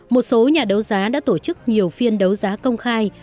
một số nhà đấu giá đã tổ chức nhiều phiên đấu giá công khai